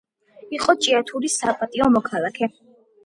იყო ჭიათურის საპატიო მოქალაქე.